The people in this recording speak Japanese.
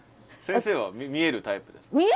先生は見えるタイプですか？